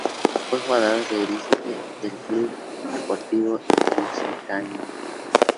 Fue jugador y dirigente del Club Deportivo Lusitania.